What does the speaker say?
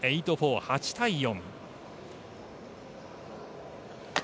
８対４。